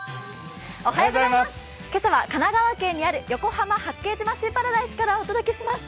今朝は神奈川県にある横浜・八景島シーパラダイスからお届けします。